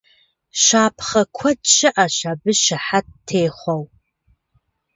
Щапхъэ куэд щыӀэщ абы щыхьэт техъуэу.